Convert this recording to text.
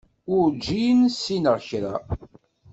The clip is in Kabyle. Werǧin ssineɣ kra.